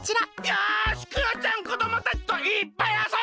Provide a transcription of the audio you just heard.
よしクヨちゃんこどもたちといっぱいあそんじゃうぞ！